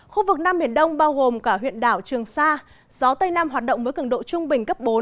khu vực nam biển đông bao gồm cả huyện đảo trường sa gió tây nam hoạt động với cường độ trung bình cấp bốn